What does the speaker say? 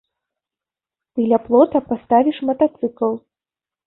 Ты ля плота паставіш матацыкл.